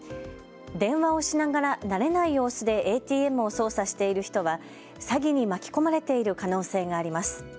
電話をしながら慣れない様子でＡＴＭを操作している人は詐欺に巻き込まれている可能性があります。